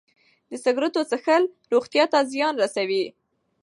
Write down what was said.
د سګرټو څښل روغتیا ته زیان رسوي.